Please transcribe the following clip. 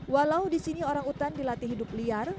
walau di sini orang utan dilatih hidup liar